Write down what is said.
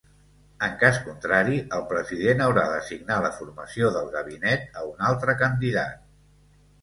En cas contrari, el President haurà d'assignar la formació del Gabinet a un altre candidat.